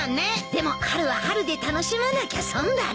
でも春は春で楽しまなきゃ損だね。